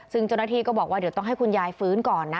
ซึ่งเจ้าหน้าที่ก็บอกว่าเดี๋ยวต้องให้คุณยายฟื้นก่อนนะ